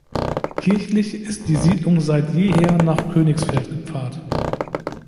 Kirchlich ist die Siedlung seit jeher nach Königsfeld gepfarrt.